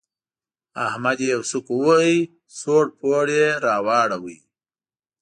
احمد يې يو سوک وواهه؛ سوړ پوړ يې راواړاوو.